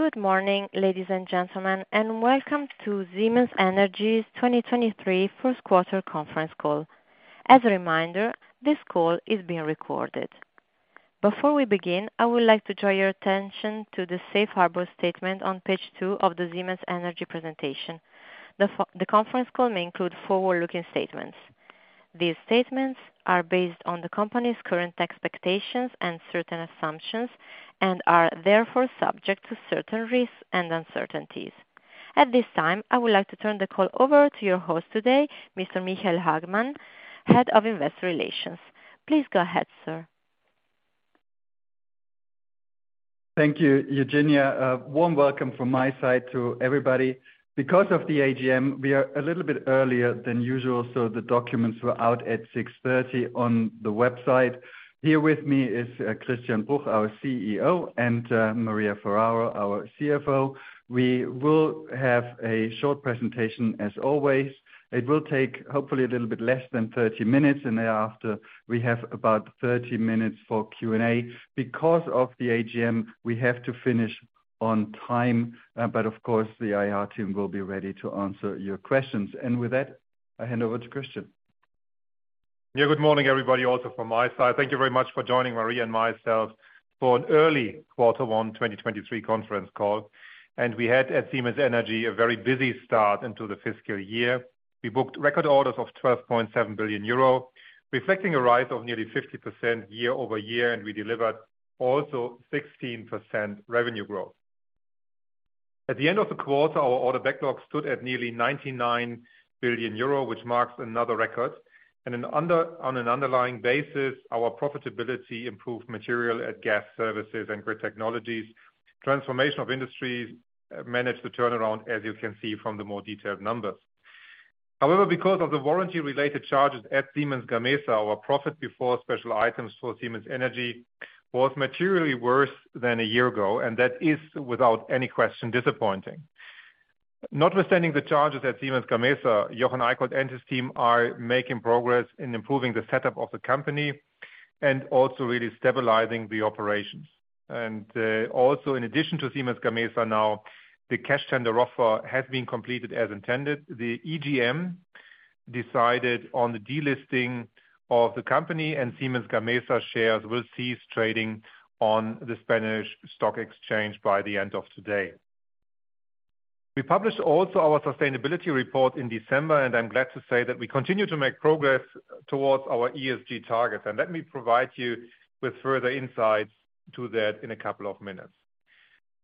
Good morning, ladies and gentlemen, and welcome to Siemens Energy's 2023 first quarter conference call. As a reminder, this call is being recorded. Before we begin, I would like to draw your attention to the safe harbor statement on page two of the Siemens Energy presentation. The conference call may include forward-looking statements. These statements are based on the company's current expectations and certain assumptions and are therefore subject to certain risks and uncertainties. At this time, I would like to turn the call over to your host today, Mr. Michael Hagmann, Head of Investor Relations. Please go ahead, sir. Thank you, Eugenia. A warm welcome from my side to everybody. Because of the AGM, we are a little bit earlier than usual, so the documents were out at 6:30 A.M. on the website. Here with me is Christian Bruch, our CEO, and Maria Ferraro, our CFO. We will have a short presentation as always. It will take hopefully a little bit less than 30 minutes, and thereafter, we have about 30 minutes for Q&A. Because of the AGM, we have to finish on time, but of course, the IR team will be ready to answer your questions. With that, I hand over to Christian. Yeah, good morning, everybody, also from my side. Thank you very much for joining Maria and myself for an early Q1 2023 conference call. We had at Siemens Energy a very busy start into the fiscal year. We booked record orders of 12.7 billion euro, reflecting a rise of nearly 50% year-over-year, and we delivered also 16% revenue growth. At the end of the quarter, our order backlog stood at nearly 99 billion euro, which marks another record. On an underlying basis, our profitability improved material at Gas Services and Grid Technologies. Transformation of Industry managed the turnaround, as you can see from the more detailed numbers. However, because of the warranty-related charges at Siemens Gamesa, our Profit before special items for Siemens Energy was materially worse than a year ago, and that is, without any question, disappointing. Notwithstanding the charges at Siemens Gamesa, Jochen Eickholt and his team are making progress in improving the setup of the company and also really stabilizing the operations. Also in addition to Siemens Gamesa now, the cash tender offer has been completed as intended. The EGM decided on the delisting of the company, and Siemens Gamesa shares will cease trading on the Spanish stock exchange by the end of today. We published also our sustainability report in December, and I'm glad to say that we continue to make progress towards our ESG targets. Let me provide you with further insights to that in a couple of minutes.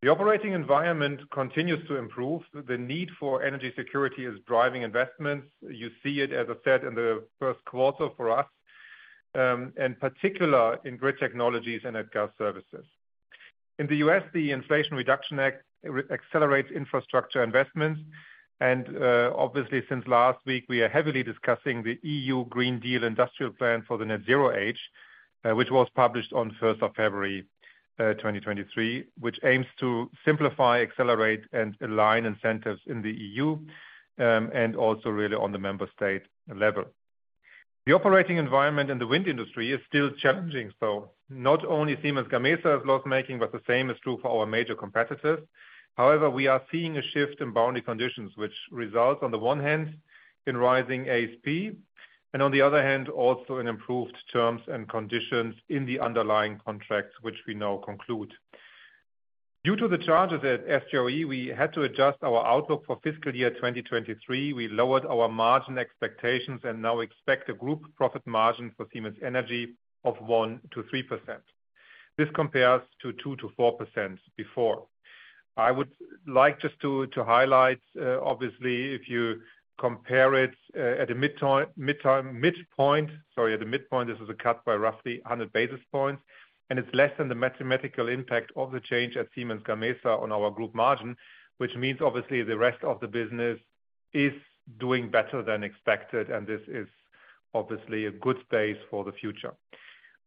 The operating environment continues to improve. The need for energy security is driving investments. You see it, as I said, in the 1st quarter for us, and particular in Grid Technologies and at Gas Services. In the U.S., the Inflation Reduction Act re-accelerates infrastructure investments. Obviously since last week, we are heavily discussing the EU Green Deal Industrial Plan for the Net-Zero Age, which was published on 1st of February 2023, which aims to simplify, accelerate, and align incentives in the EU and also really on the member state level. The operating environment in the wind industry is still challenging. Not only Siemens Gamesa is loss-making, but the same is true for our major competitors. However, we are seeing a shift in boundary conditions which results on the one hand in rising ASP and on the other hand, also in improved terms and conditions in the underlying contracts which we now conclude. Due to the charges at SGRE, we had to adjust our outlook for fiscal year 2023. We lowered our margin expectations and now expect a group profit margin for Siemens Energy of 1%-3%. This compares to 2%-4% before. I would like just to highlight, obviously, if you compare it, at the midpoint, sorry, at the midpoint, this is a cut by roughly 100 basis points. It's less than the mathematical impact of the change at Siemens Gamesa on our group margin, which means obviously the rest of the business is doing better than expected. This is obviously a good base for the future.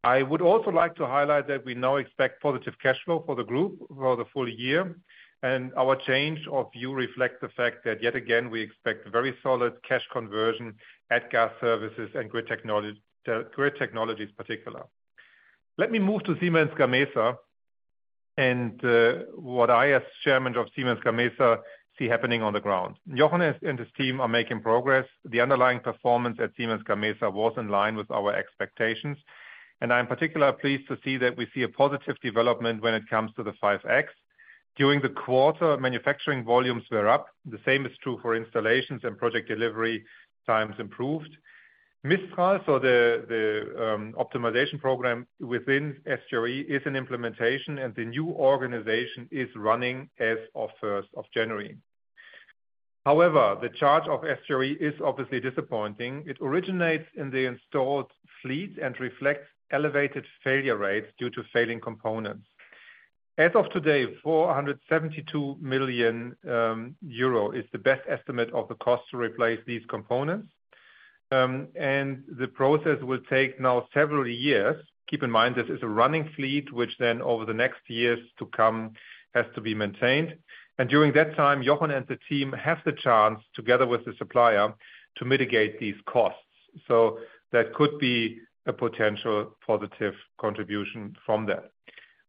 I would also like to highlight that we now expect positive cash flow for the group for the full year. Our change of view reflects the fact that yet again, we expect very solid cash conversion at Gas Services and Grid Technologies particular. Let me move to Siemens Gamesa and what I as Chairman of Siemens Gamesa see happening on the ground. Jochen Eickholt and his team are making progress. The underlying performance at Siemens Gamesa was in line with our expectations. I'm particularly pleased to see that we see a positive development when it comes to the 5x. During the quarter, manufacturing volumes were up. The same is true for installations and project delivery times improved. Mistral, the optimization program within SGRE is in implementation, and the new organization is running as of 1st of January. The charge of SGRE is obviously disappointing. It originates in the installed fleet and reflects elevated failure rates due to failing components. As of today, 472 million euro is the best estimate of the cost to replace these components. The process will take now several years. Keep in mind, this is a running fleet which then over the next years to come has to be maintained. During that time, Jochen and the team have the chance, together with the supplier, to mitigate these costs. That could be a potential positive contribution from that.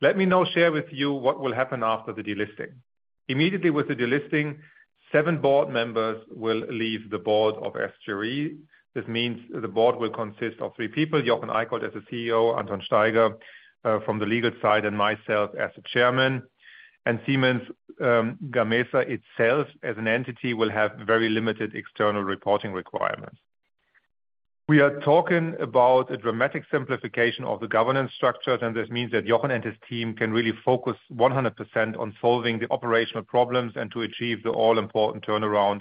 Let me now share with you what will happen after the delisting. Immediately with the delisting, seven board members will leave the board of SGRE. This means the board will consist of three people, Jochen Eickholt as the CEO, Anton Steiger, from the legal side, and myself as the Chairman. Siemens Gamesa itself, as an entity, will have very limited external reporting requirements. We are talking about a dramatic simplification of the governance structures, and this means that Jochen and his team can really focus 100% on solving the operational problems and to achieve the all-important turnaround,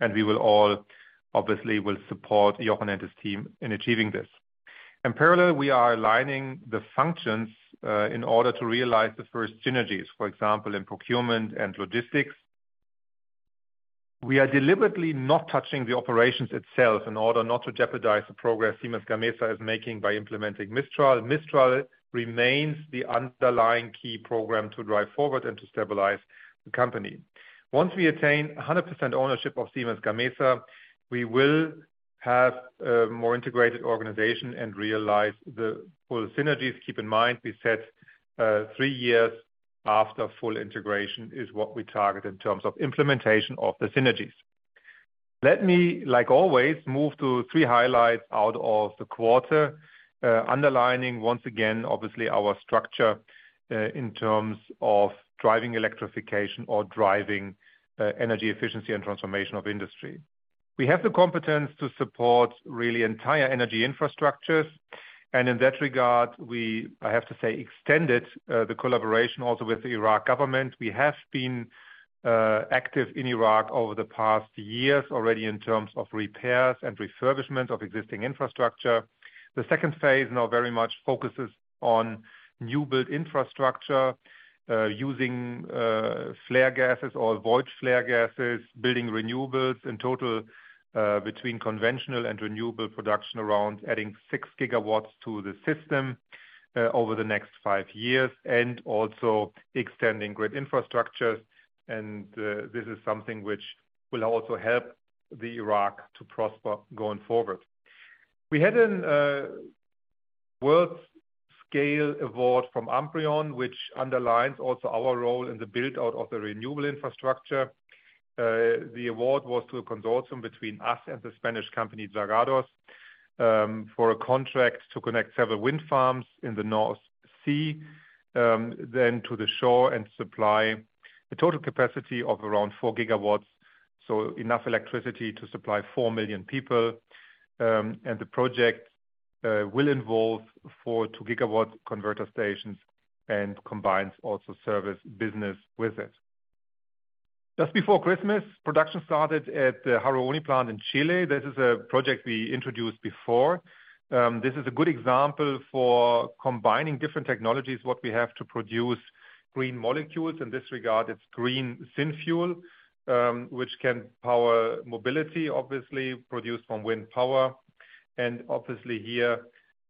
and we will all, obviously, will support Jochen and his team in achieving this. In parallel, we are aligning the functions in order to realize the first synergies, for example, in procurement and logistics. We are deliberately not touching the operations itself in order not to jeopardize the progress Siemens Gamesa is making by implementing Mistral. Mistral remains the underlying key program to drive forward and to stabilize the company. Once we attain 100% ownership of Siemens Gamesa, we will have a more integrated organization and realize the full synergies. Keep in mind, we said, three years after full integration is what we target in terms of implementation of the synergies. Let me, like always, move to three highlights out of the quarter, underlining once again, obviously, our structure, in terms of driving electrification or driving, energy efficiency and Transformation of Industry. We have the competence to support really entire energy infrastructures. In that regard, we, I have to say, extended, the collaboration also with the Iraq government. We have been active in Iraq over the past years already in terms of repairs and refurbishment of existing infrastructure. The second phase now very much focuses on new build infrastructure, using flare gases or avoid flare gases, building renewables in total, between conventional and renewable production around adding 6 GW to the system, over the next five years, and also extending grid infrastructure. This is something which will also help the Iraq to prosper going forward. We had an world scale award from Amprion, which underlines also our role in the build-out of the renewable infrastructure. The award was to a consortium between us and the Spanish company, Dragados, for a contract to connect several wind farms in the North Sea, then to the shore and supply a total capacity of around 4 GW, so enough electricity to supply 4 million people. The project will involve four 2 GW converter stations and combines also service business with it. Just before Christmas, production started at the Haru Oni plant in Chile. This is a project we introduced before. This is a good example for combining different technologies, what we have to produce green molecules. In this regard, it's green synfuel, which can power mobility, obviously, produced from wind power. Obviously here,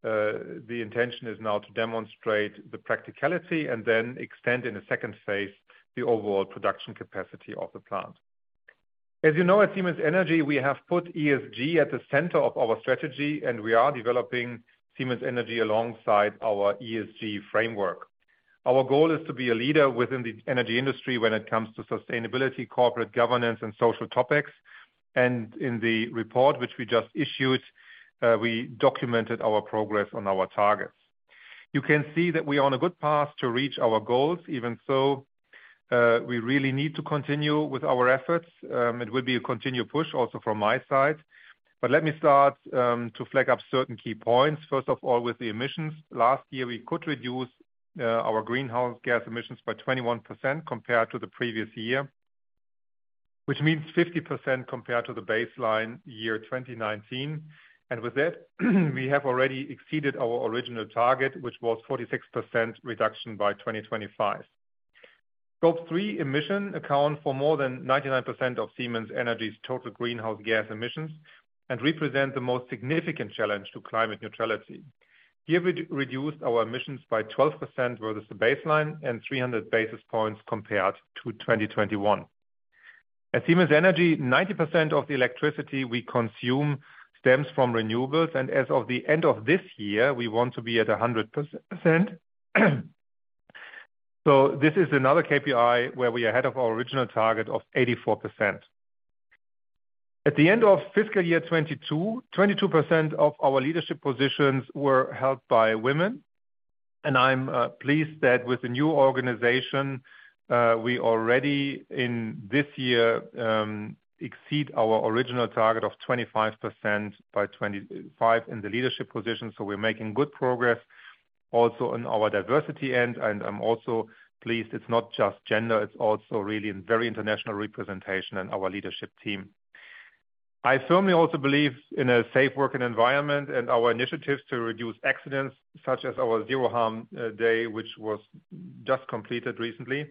the intention is now to demonstrate the practicality and then extend in the second phase the overall production capacity of the plant. As you know, at Siemens Energy, we have put ESG at the center of our strategy, and we are developing Siemens Energy alongside our ESG framework. Our goal is to be a leader within the energy industry when it comes to sustainability, corporate governance, and social topics. In the report which we just issued, we documented our progress on our targets. You can see that we are on a good path to reach our goals. We really need to continue with our efforts. It will be a continued push also from my side. Let me start to flag up certain key points. First of all, with the emissions. Last year, we could reduce our greenhouse gas emissions by 21% compared to the previous year, which means 50% compared to the baseline year, 2019. With that, we have already exceeded our original target, which was 46% reduction by 2025. Scope three emission account for more than 99% of Siemens Energy's total greenhouse gas emissions and represent the most significant challenge to climate neutrality. Here we reduced our emissions by 12% versus the baseline and 300 basis points compared to 2021. At Siemens Energy, 90% of the electricity we consume stems from renewables, and as of the end of this year, we want to be at 100%. This is another KPI where we're ahead of our original target of 84%. At the end of fiscal year 2022, 22% of our leadership positions were held by women. I'm pleased that with the new organization, we already in this year, exceed our original target of 25% by 2025 in the leadership position. We're making good progress also on our diversity end. I'm also pleased it's not just gender, it's also really a very international representation in our leadership team. I firmly also believe in a safe working environment, and our initiatives to reduce accidents, such as our Zero Harm Day, which was just completed recently,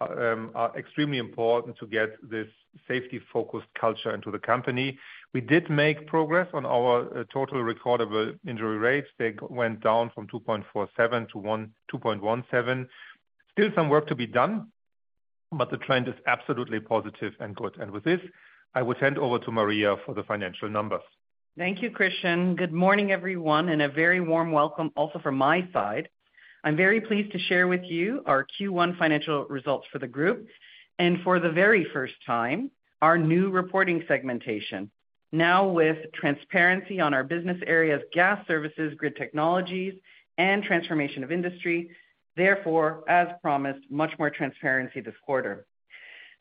are extremely important to get this safety-focused culture into the company. We did make progress on our total recordable injury rates. They went down from 2.47 to 2.17. Still some work to be done. The trend is absolutely positive and good. With this, I will hand over to Maria for the financial numbers. Thank you, Christian. Good morning, everyone. A very warm welcome also from my side. I'm very pleased to share with you our Q1 financial results for the group. For the very first time, our new reporting segmentation. Now with transparency on our Business Areas, Gas Services, Grid Technologies, and Transformation of Industry. Therefore, as promised, much more transparency this quarter.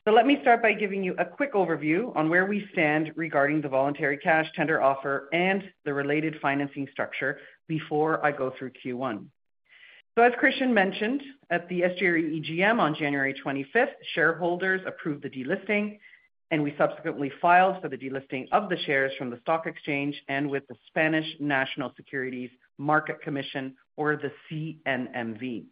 Let me start by giving you a quick overview on where we stand regarding the voluntary cash tender offer and the related financing structure before I go through Q1. As Christian mentioned, at the SGRE EGM on January 25th, shareholders approved the delisting, and we subsequently filed for the delisting of the shares from the stock exchange and with the Spanish National Securities Market Commission or the CNMV.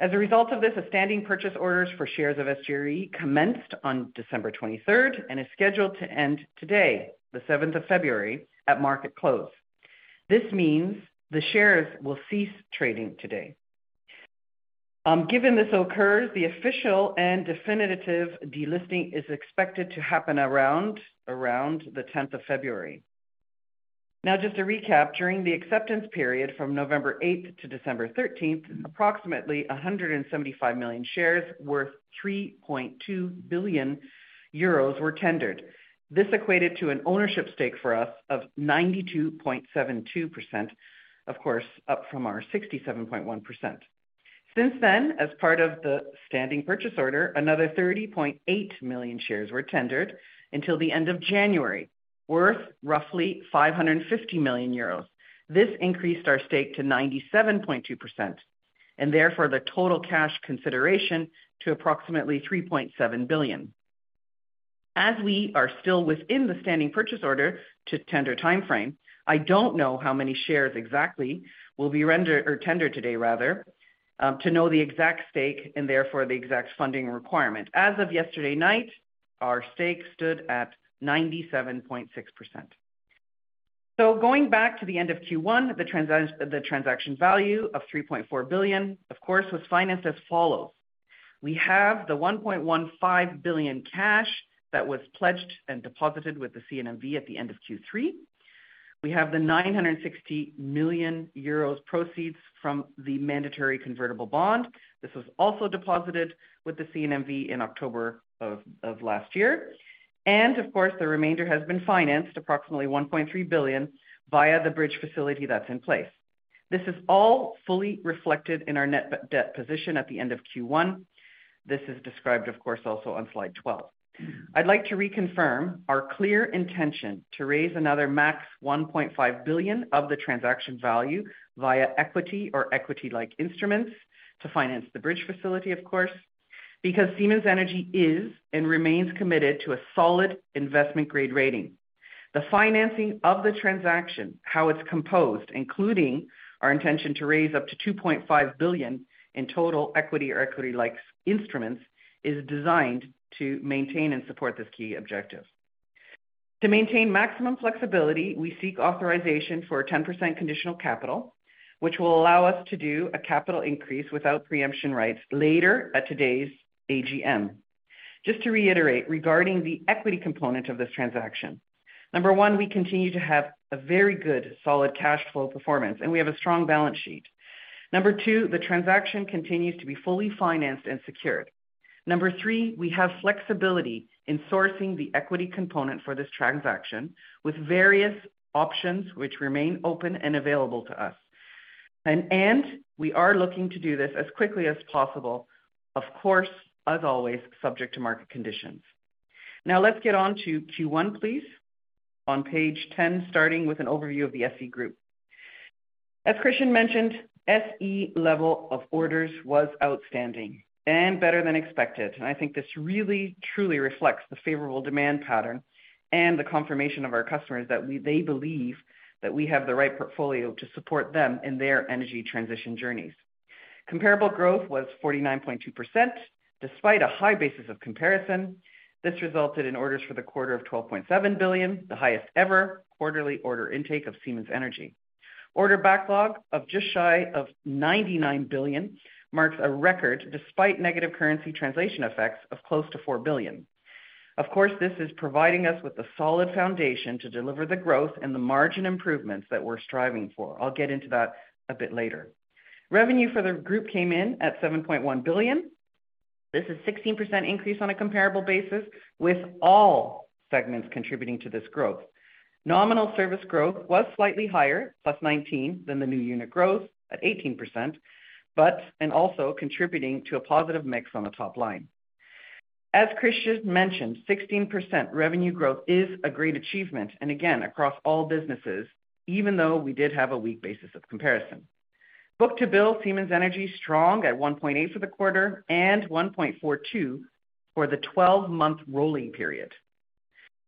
As a result of this, the standing purchase orders for shares of SGRE commenced on December 23rd and is scheduled to end today, the 7th of February at market close. This means the shares will cease trading today. Given this occurs, the official and definitive delisting is expected to happen around the 10th of February. Just to recap, during the acceptance period from November 8th to December 13th, approximately 175 million shares worth 3.2 billion euros were tendered. This equated to an ownership stake for us of 92.72%, of course, up from our 67.1%. Since then, as part of the standing purchase order, another 30.8 million shares were tendered until the end of January, worth roughly 550 million euros. This increased our stake to 97.2%, and therefore the total cash consideration to approximately 3.7 billion. We are still within the standing purchase order to tender timeframe, I don't know how many shares exactly will be or tendered today rather, to know the exact stake and therefore the exact funding requirement. As of yesterday night, our stake stood at 97.6%. Going back to the end of Q1, the transaction value of 3.4 billion, of course, was financed as follows: We have the 1.15 billion cash that was pledged and deposited with the CNMV at the end of Q3. We have the 960 million euros proceeds from the mandatory convertible bond. This was also deposited with the CNMV in October of last year. Of course, the remainder has been financed approximately 1.3 billion via the bridge facility that's in place. This is all fully reflected in our net debt position at the end of Q1. This is described, of course, also on slide 12. I'd like to reconfirm our clear intention to raise another max 1.5 billion of the transaction value via equity or equity-like instruments to finance the bridge facility, of course, because Siemens Energy is and remains committed to a solid investment-grade rating. The financing of the transaction, how it's composed, including our intention to raise up to 2.5 billion in total equity or equity-like instruments, is designed to maintain and support this key objective. To maintain maximum flexibility, we seek authorization for a 10% conditional capital, which will allow us to do a capital increase without preemption rights later at today's AGM. Just to reiterate, regarding the equity component of this transaction, Number one, we continue to have a very good solid cash flow performance, and we have a strong balance sheet. Number two, the transaction continues to be fully financed and secured. Number three, we have flexibility in sourcing the equity component for this transaction with various options which remain open and available to us. We are looking to do this as quickly as possible, of course, as always, subject to market conditions. Now let's get on to Q1, please, on page 10, starting with an overview of the SE group. As Christian mentioned, SE level of orders was outstanding and better than expected. I think this really truly reflects the favorable demand pattern and the confirmation of our customers that they believe that we have the right portfolio to support them in their energy transition journeys. Comparable growth was 49.2%, despite a high basis of comparison. This resulted in orders for the quarter of 12.7 billion, the highest ever quarterly order intake of Siemens Energy. Order backlog of just shy of 99 billion marks a record despite negative currency translation effects of close to 4 billion. Of course, this is providing us with a solid foundation to deliver the growth and the margin improvements that we're striving for. I'll get into that a bit later. Revenue for the group came in at 7.1 billion. This is 16% increase on a comparable basis, with all segments contributing to this growth. Nominal service growth was slightly higher, +19%, than the new unit growth at 18%, and also contributing to a positive mix on the top line. As Christian mentioned, 16% revenue growth is a great achievement, again, across all businesses, even though we did have a weak basis of comparison. book-to-bill, Siemens Energy strong at 1.8 for the quarter and 1.42 for the 12-month rolling period.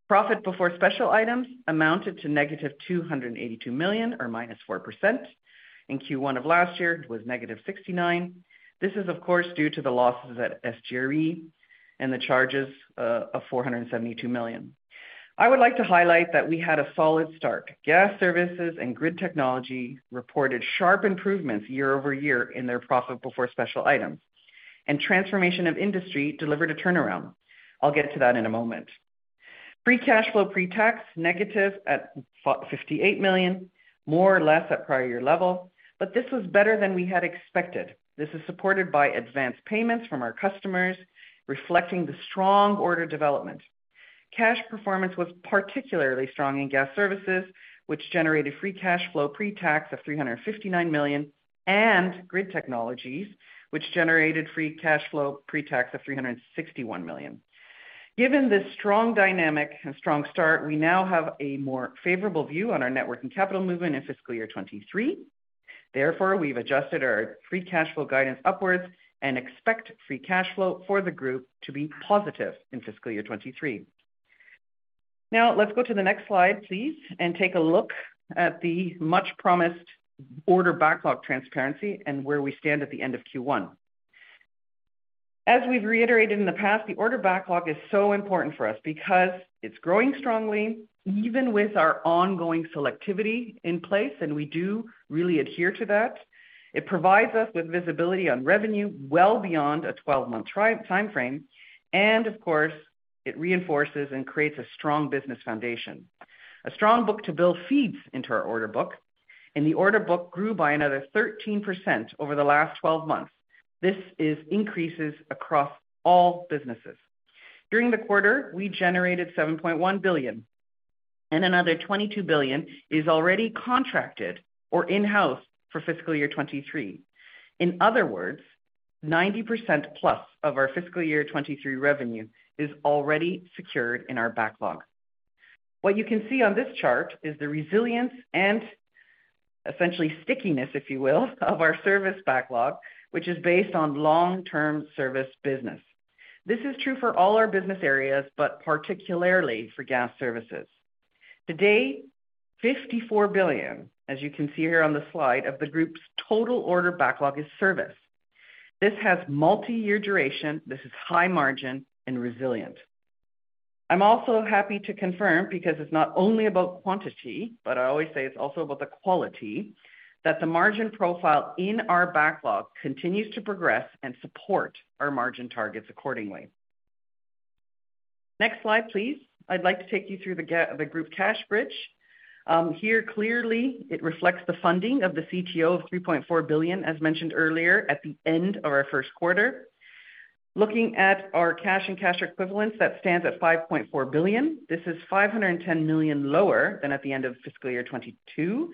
Profit before special items amounted to negative 282 million or -4%. In Q1 of last year, it was negative 69 million. This is, of course, due to the losses at SGRE. The charges of 472 million. I would like to highlight that we had a solid start. Gas Services and Grid Technologies reported sharp improvements year-over-year in their Profit before special items. Transformation of Industry delivered a turnaround. I'll get to that in a moment. Free cash flow pre-tax negative at 58 million, more or less at prior year level, but this was better than we had expected. This is supported by advanced payments from our customers, reflecting the strong order development. Cash performance was particularly strong in Gas Services, which generated Free cash flow pre-tax of 359 million, and Grid Technologies, which generated Free cash flow pre-tax of 361 million. Given this strong dynamic and strong start, we now have a more favorable view on our network and capital movement in fiscal year 2023. We've adjusted our Free cash flow guidance upwards and expect Free cash flow for the group to be positive in fiscal year 2023. Now let's go to the next slide, please, and take a look at the much-promised order backlog transparency and where we stand at the end of Q1. We've reiterated in the past, the order backlog is so important for us because it's growing strongly, even with our ongoing selectivity in place, and we do really adhere to that. It provides us with visibility on revenue well beyond a 12-month tri-time frame, and of course, it reinforces and creates a strong business foundation. A strong book-to-bill feeds into our order book, the order book grew by another 13% over the last 12 months. This is increases across all businesses. During the quarter, we generated 7.1 billion, another 22 billion is already contracted or in-house for fiscal year 2023. In other words, 90%+ of our fiscal year 2023 revenue is already secured in our backlog. What you can see on this chart is the resilience and essentially stickiness, if you will, of our service backlog, which is based on long-term service business. This is true for all our business areas, but particularly for Gas Services. Today, 54 billion, as you can see here on the slide, of the group's total order backlog is serviced. This has multiyear duration. This is high margin and resilient. I'm also happy to confirm, because it's not only about quantity, but I always say it's also about the quality, that the margin profile in our backlog continues to progress and support our margin targets accordingly. Next slide, please. I'd like to take you through the group cash bridge. Here, clearly it reflects the funding of the CTO of 3.4 billion, as mentioned earlier at the end of our first quarter. Looking at our cash and cash equivalents, that stands at 5.4 billion. This is 510 million lower than at the end of fiscal year 2022,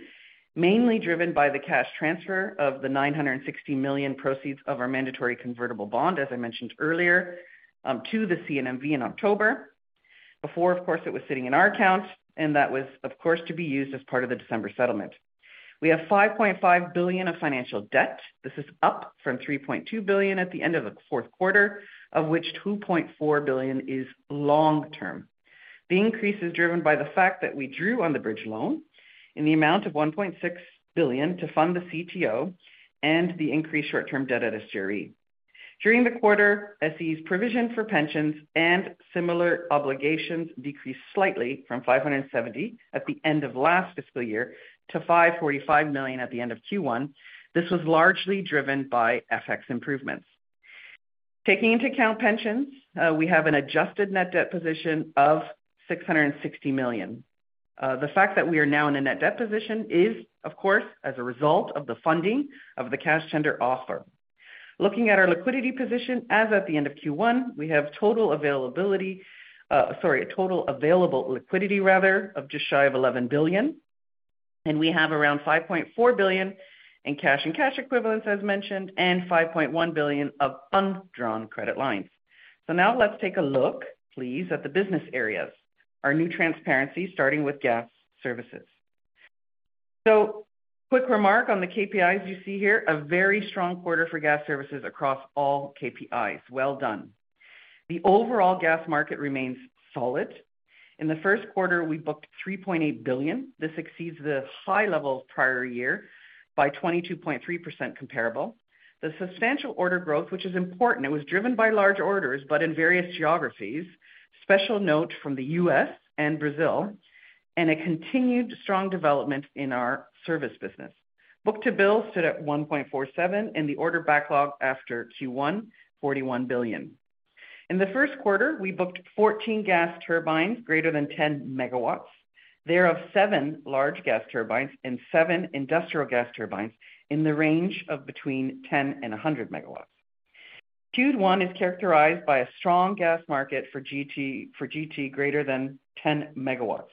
mainly driven by the cash transfer of the 960 million proceeds of our mandatory convertible bond, as I mentioned earlier, to the CNMV in October. Before, of course, it was sitting in our account, and that was, of course, to be used as part of the December settlement. We have 5.5 billion of financial debt. This is up from 3.2 billion at the end of the fourth quarter, of which 2.4 billion is long-term. The increase is driven by the fact that we drew on the bridge loan in the amount of 1.6 billion to fund the CTO and the increased short-term debt at SGRE. During the quarter, SE's provision for pensions and similar obligations decreased slightly from 570 million at the end of last fiscal year to 545 million at the end of Q1. This was largely driven by FX improvements. Taking into account pensions, we have an adjusted net debt position of 660 million. The fact that we are now in a net debt position is, of course, as a result of the funding of the cash tender offer. Looking at our liquidity position as at the end of Q1, we have total available liquidity, rather, of just shy of 11 billion, and we have around 5.4 billion in cash and cash equivalents, as mentioned, and 5.1 billion of undrawn credit lines. Now let's take a look, please, at the Business Areas. Our new transparency, starting with Gas Services. Quick remark on the KPIs you see here. A very strong quarter for Gas Services across all KPIs. Well done. The overall gas market remains solid. In the first quarter, we booked 3.8 billion. This exceeds the high level of prior year by 22.3% comparable. The substantial order growth, which is important, it was driven by large orders, but in various geographies. Special note from the U.S. and Brazil, and a continued strong development in our service business. Book-to-bill stood at 1.47, and the order backlog after Q1, 41 billion. In the first quarter, we booked 14 gas turbines greater than 10 MW. There are seven large gas turbines and seven industrial gas turbines in the range of between 10 MW and 100 MW. Q1 is characterized by a strong gas market for GT, for GT greater than 10 MW.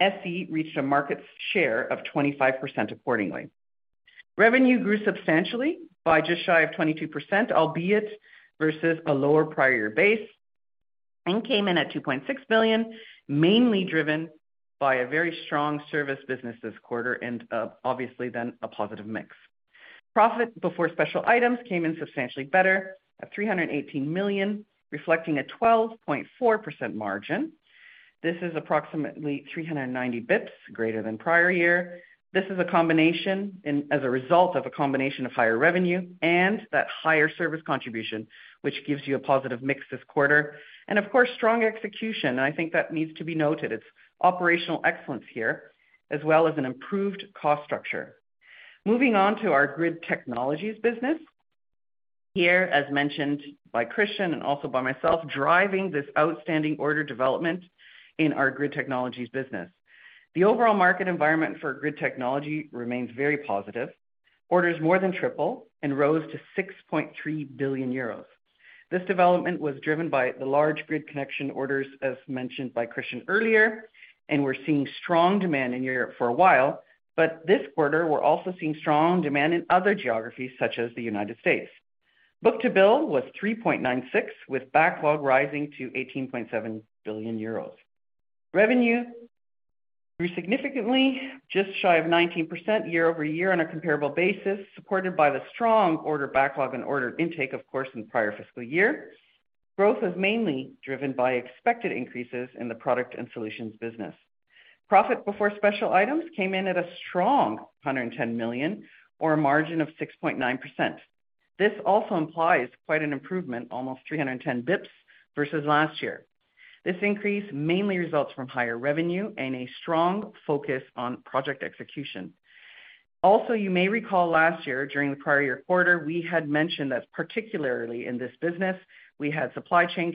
SE reached a market share of 25% accordingly. Revenue grew substantially by just shy of 22%, albeit versus a lower prior base. Came in at 2.6 billion, mainly driven by a very strong service business this quarter, obviously then a positive mix. Profit before special items came in substantially better at 318 million, reflecting a 12.4% margin. This is approximately 390 basis points greater than prior year. This is a combination and as a result of a combination of higher revenue and that higher service contribution, which gives you a positive mix this quarter and of course, strong execution. I think that needs to be noted. It's operational excellence here, as well as an improved cost structure. Moving on to our Grid Technologies business. Here, as mentioned by Christian and also by myself, driving this outstanding order development in our Grid Technologies business. The overall market environment for Grid Technologies remains very positive. Orders more than triple and rose to 6.3 billion euros. This development was driven by the large grid connection orders, as mentioned by Christian earlier, and we're seeing strong demand in Europe for a while. This quarter, we're also seeing strong demand in other geographies such as the United States. Book-to-bill was 3.96, with backlog rising to 18.7 billion euros. Revenue grew significantly, just shy of 19% year-over-year on a comparable basis, supported by the strong order backlog and order intake, of course, in prior fiscal year. Growth is mainly driven by expected increases in the product and solutions business. Profit before special items came in at a strong 110 million or a margin of 6.9%. This also implies quite an improvement, almost 310 basis points versus last year. This increase mainly results from higher revenue and a strong focus on project execution. You may recall last year, during the prior year quarter, we had mentioned that particularly in this business, we had supply chain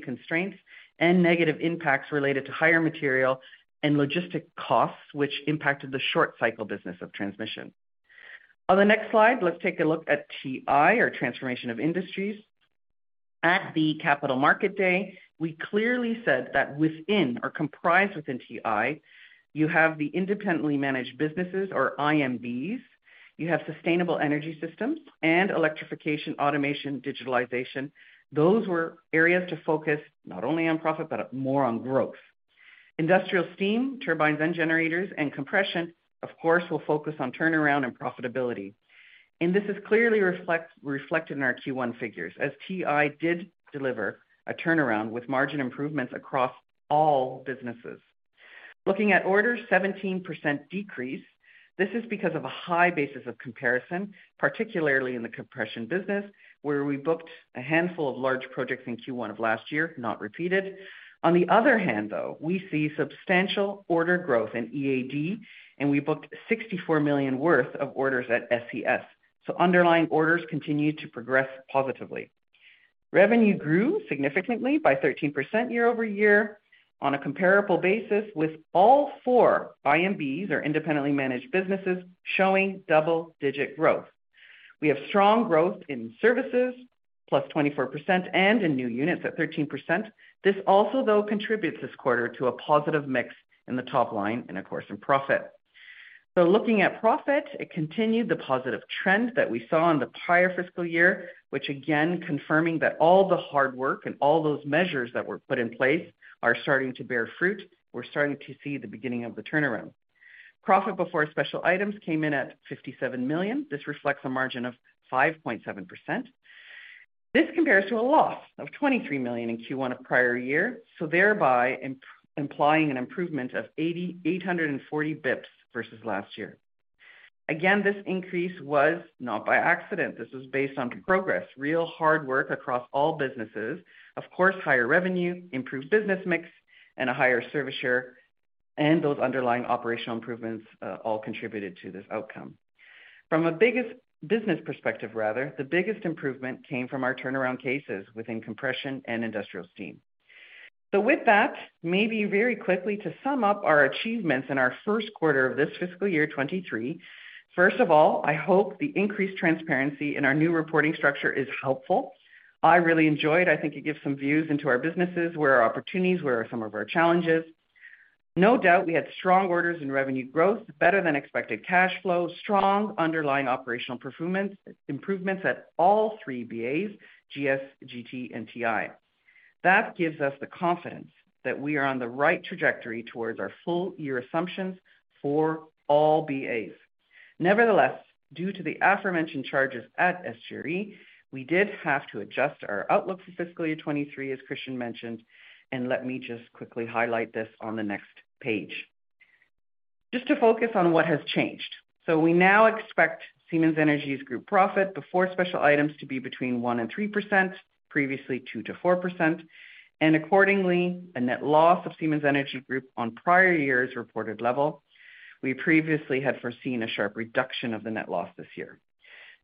constraints and negative impacts related to higher material and logistic costs, which impacted the short cycle business of transmission. On the next slide, let's take a look at TI or Transformation of Industry. At the Capital Market Day, we clearly said that within or comprised within TI, you have the Independently Managed Businesses or IMBs. You have Sustainable Energy Systems and Electrification, Automation, and Digitalization. Those were areas to focus not only on profit but more on growth. Industrial steam, turbines and generators and compression, of course, will focus on turnaround and profitability. This is clearly reflected in our Q1 figures, as TI did deliver a turnaround with margin improvements across all businesses. Looking at orders, 17% decrease. This is because of a high basis of comparison, particularly in the compression business, where we booked a handful of large projects in Q1 of last year, not repeated. On the other hand, though, we see substantial order growth in EAD, and we booked 64 million worth of orders at SCS. Underlying orders continued to progress positively. Revenue grew significantly by 13% year-over-year on a comparable basis with all four IMBs or independently managed businesses showing double-digit growth. We have strong growth in services, +24%, and in new units at 13%. This also, though, contributes this quarter to a positive mix in the top line and of course in profit. Looking at profit, it continued the positive trend that we saw in the prior fiscal year, which again confirming that all the hard work and all those measures that were put in place are starting to bear fruit. We're starting to see the beginning of the turnaround. Profit before special items came in at 57 million. This reflects a margin of 5.7%. This compares to a loss of 23 million in Q1 of prior year, thereby implying an improvement of 840 basis points versus last year. Again, this increase was not by accident. This was based on progress, real hard work across all businesses. Higher revenue, improved business mix, and a higher service share, and those underlying operational improvements, all contributed to this outcome. From a business perspective, rather, the biggest improvement came from our turnaround cases within compression and industrial steam. With that, maybe very quickly to sum up our achievements in our first quarter of this fiscal year 2023. First of all, I hope the increased transparency in our new reporting structure is helpful. I really enjoy it. I think it gives some views into our businesses, where are opportunities, where are some of our challenges. No doubt, we had strong orders and revenue growth, better than expected cash flow, strong underlying operational performance, improvements at all three BAs, GS, GT, and TI. That gives us the confidence that we are on the right trajectory towards our full-year assumptions for all BAs. Due to the aforementioned charges at SGRE, we did have to adjust our outlook for fiscal year 2023, as Christian mentioned. Let me just quickly highlight this on the next page. Just to focus on what has changed. We now expect Siemens Energy's group Profit before special items to be between 1% and 3%, previously 2%-4%. Accordingly, a net loss of Siemens Energy Group on prior year's reported level. We previously had foreseen a sharp reduction of the net loss this year.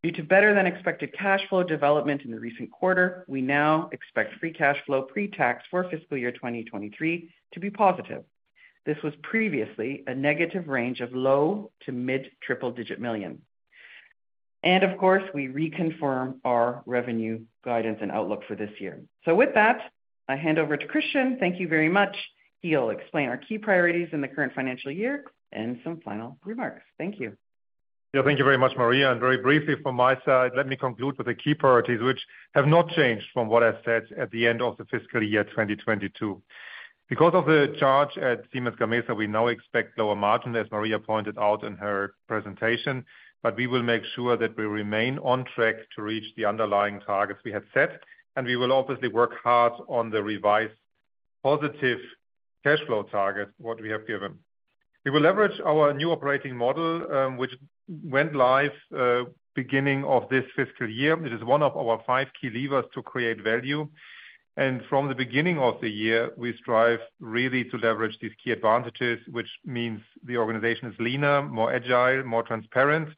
Due to better than expected cash flow development in the recent quarter, we now expect Free cash flow pre-tax for fiscal year 2023 to be positive. This was previously a negative range of low to mid triple-digit million. Of course, we reconfirm our revenue guidance and outlook for this year. With that, I hand over to Christian. Thank you very much. He'll explain our key priorities in the current financial year and some final remarks. Thank you. Yeah, thank you very much, Maria. Very briefly from my side, let me conclude with the key priorities which have not changed from what I said at the end of the fiscal year 2022. Because of the charge at Siemens Gamesa, we now expect lower margin, as Maria pointed out in her presentation. We will make sure that we remain on track to reach the underlying targets we have set, and we will obviously work hard on the revised positive cash flow target what we have given. We will leverage our new operating model, which went live beginning of this fiscal year. It is one of our five key levers to create value. From the beginning of the year, we strive really to leverage these key advantages, which means the organization is leaner, more agile, more transparent,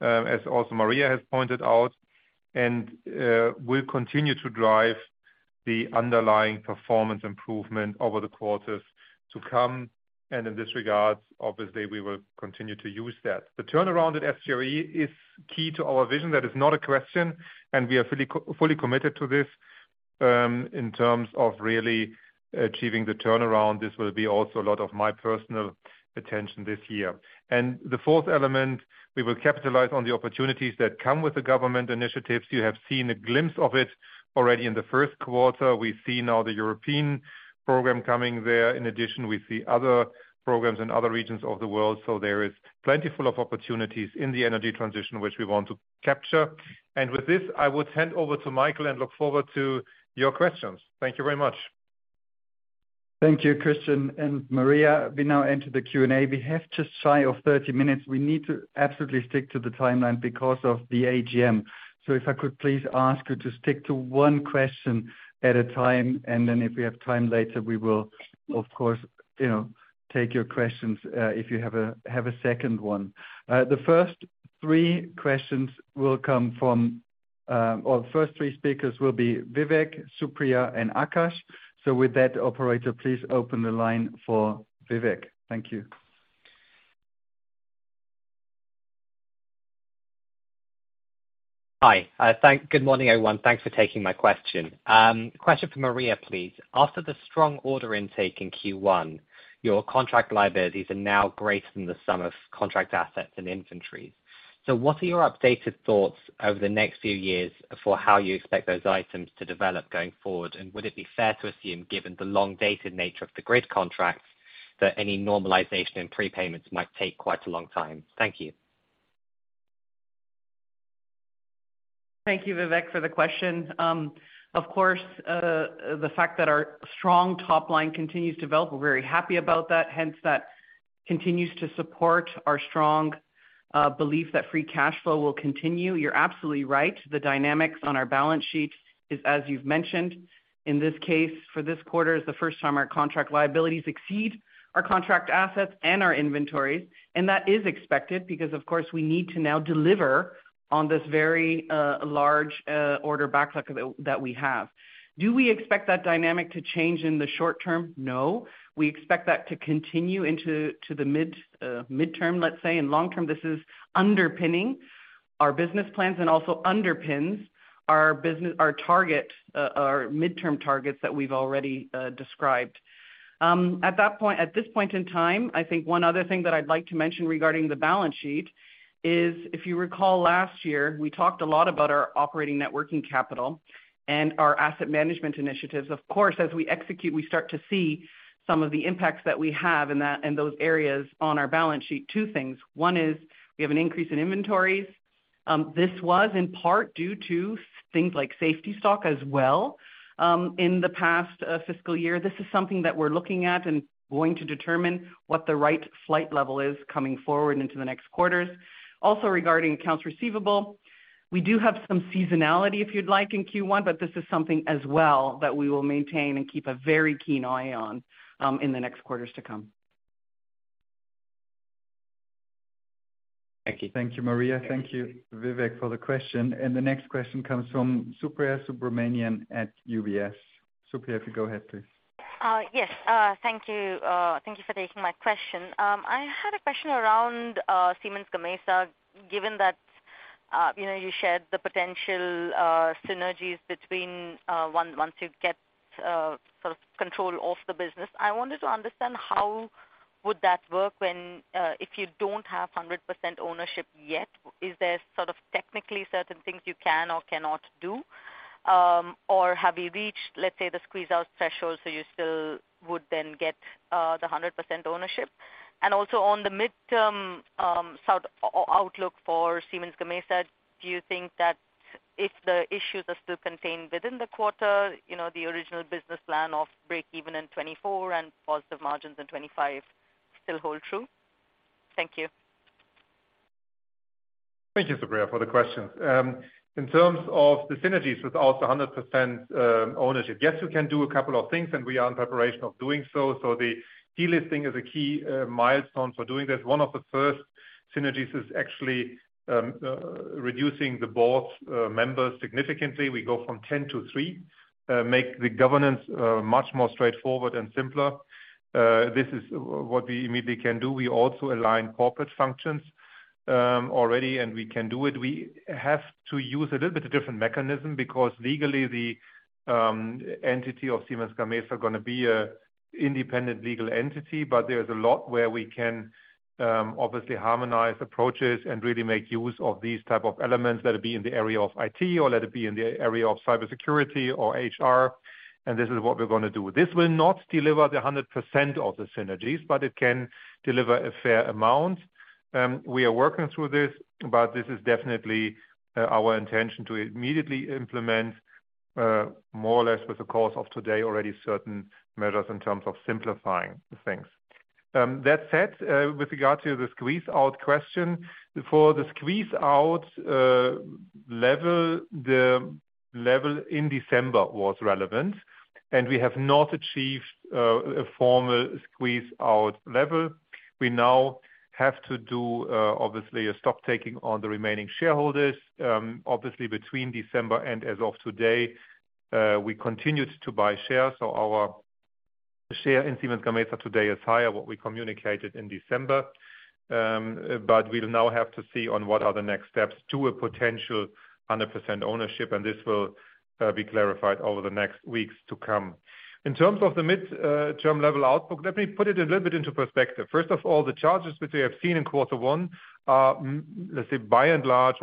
as also Maria has pointed out. We'll continue to drive the underlying performance improvement over the quarters to come. In this regard, obviously, we will continue to use that. The turnaround at SGRE is key to our vision. That is not a question, and we are fully committed to this in terms of really achieving the turnaround. This will be also a lot of my personal attention this year. The fourth element, we will capitalize on the opportunities that come with the government initiatives. You have seen a glimpse of it already in the first quarter. We see now the European program coming there. In addition, we see other programs in other regions of the world. There is plenty full of opportunities in the energy transition which we want to capture. With this, I would hand over to Michael and look forward to your questions. Thank you very much. Thank you, Christian and Maria. We now enter the Q&A. We have just shy of 30 minutes. We need to absolutely stick to the timeline because of the AGM. If I could please ask you to stick to one question at a time, and then if we have time later, we will of course, you know, take your questions, if you have a second one. The first three questions will come from, or the first three speakers will be Vivek, Supriya, and Akash. With that, operator, please open the line for Vivek. Thank you. Hi. Good morning, everyone. Thanks for taking my question. Question for Maria, please. After the strong order intake in Q1, your contract liabilities are now greater than the sum of contract assets and inventories. What are your updated thoughts over the next few years for how you expect those items to develop going forward? Would it be fair to assume, given the long-dated nature of the grid contracts, that any normalization in prepayments might take quite a long time? Thank you. Thank you, Vivek, for the question. Of course, the fact that our strong top line continues to develop, we're very happy about that. Hence, that continues to support our strong belief that free cash flow will continue. You're absolutely right. The dynamics on our balance sheet is, as you've mentioned, in this case, for this quarter, is the first time our contract liabilities exceed our contract assets and our inventories. That is expected because, of course, we need to now deliver on this very large order backlog that we have. Do we expect that dynamic to change in the short term? No. We expect that to continue into the midterm, let's say. In long term, this is underpinning our business plans and also underpins our target midterm targets that we've already described. At this point in time, I think one other thing that I'd like to mention regarding the balance sheet is, if you recall last year, we talked a lot about our operating networking capital and our asset management initiatives. Of course, as we execute, we start to see some of the impacts that we have in that, in those areas on our balance sheet. Two things. One is we have an increase in inventories. This was in part due to things like safety stock as well, in the past fiscal year. This is something that we're looking at and going to determine what the right flight level is coming forward into the next quarters. Regarding accounts receivable, we do have some seasonality, if you'd like, in Q1, but this is something as well that we will maintain and keep a very keen eye on in the next quarters to come. Thank you. Thank you, Maria. Thank you, Vivek, for the question. The next question comes from Supriya Subramanian at UBS. Supriya, if you go ahead, please. Thank you, Supriya, for the questions. In terms of the synergies without the 100% ownership, yes, we can do a couple of things, and we are in preparation of doing so. The delisting is a key milestone for doing this. One of the first synergies is actually reducing the board members significantly. We go from 10 to three, make the governance much more straightforward and simpler. This is what we immediately can do. We also align corporate functions already, and we can do it. We have to use a little bit of different mechanism because legally, the entity of Siemens Gamesa are gonna be an independent legal entity, but there's a lot where we can obviously harmonize approaches and really make use of these type of elements, let it be in the area of IT or let it be in the area of cybersecurity or HR. This is what we're gonna do. This will not deliver the 100% of the synergies, but it can deliver a fair amount. We are working through this, but this is definitely our intention to immediately implement more or less with the course of today, already certain measures in terms of simplifying things. That said, with regard to the Squeeze-out question, for the Squeeze-out level, the level in December was relevant and we have not achieved a formal Squeeze-out level. We now have to do obviously a stock taking on the remaining shareholders. Obviously between December and as of today, we continued to buy shares. Our share in Siemens Gamesa today is higher what we communicated in December. We'll now have to see on what are the next steps to a potential 100% ownership, and this will be clarified over the next weeks to come. In terms of the midterm level outlook, let me put it a little bit into perspective. First of all, the charges which we have seen in quarter one are, let's say, by and large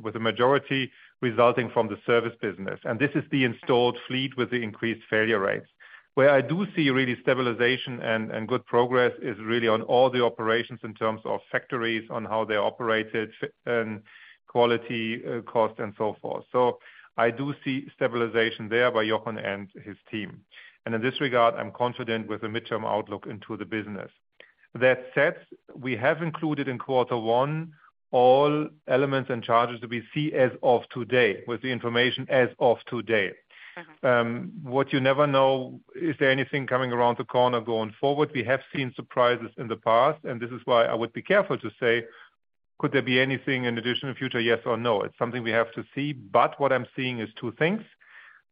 with the majority resulting from the service business. This is the installed fleet with the increased failure rates. Where I do see really stabilization and good progress is really on all the operations in terms of factories on how they operated and quality, cost and so forth. I do see stabilization there by Jochen and his team. In this regard, I'm confident with the midterm outlook into the business. That said, we have included in quarter one all elements and charges that we see as of today with the information as of today. Mm-hmm. What you never know, is there anything coming around the corner going forward? We have seen surprises in the past, this is why I would be careful to say, could there be anything in addition in future, yes or no. It's something we have to see, but what I'm seeing is two things.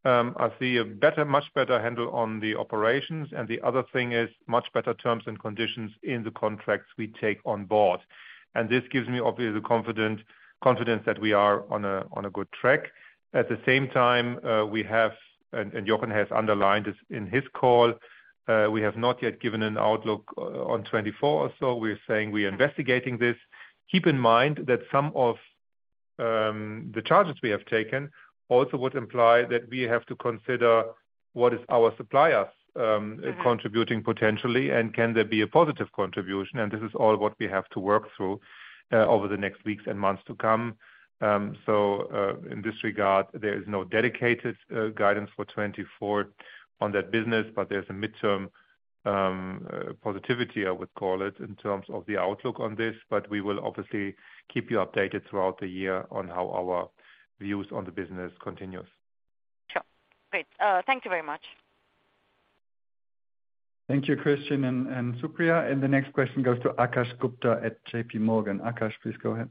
I see a better, much better handle on the operations, and the other thing is much better terms and conditions in the contracts we take on board. This gives me obviously the confidence that we are on a good track. At the same time, we have, and Jochen has underlined this in his call, we have not yet given an outlook on 2024. We're saying we're investigating this. Keep in mind that some of the charges we have taken also would imply that we have to consider what is our suppliers. Mm-hmm ...contributing potentially, and can there be a positive contribution? This is all what we have to work through, over the next weeks and months to come. In this regard, there is no dedicated guidance for 2024 on that business, but there's a midterm positivity I would call it, in terms of the outlook on this. We will obviously keep you updated throughout the year on how our views on the business continues. Sure. Great. thank you very much. Thank you, Christian and Supriya. The next question goes to Akash Gupta at JPMorgan. Akash, please go ahead.